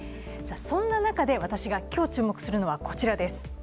そんな中で私が今日注目するのはこちらです。